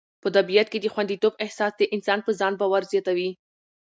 په طبیعت کې د خوندیتوب احساس د انسان په ځان باور زیاتوي.